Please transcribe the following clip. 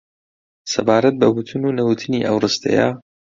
سەبارەت بە وتن و نەوتنی ئەو ڕستەیە